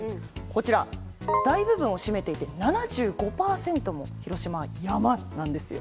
こちら大部分を占めていて７５％も広島は山なんですよ。